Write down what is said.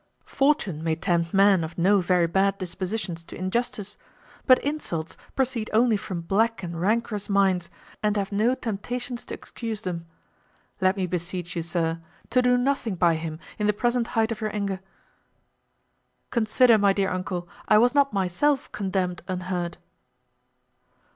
Fortune may tempt men of no very bad dispositions to injustice; but insults proceed only from black and rancorous minds, and have no temptations to excuse them. Let me beseech you, sir, to do nothing by him in the present height of your anger. Consider, my dear uncle, I was not myself condemned unheard."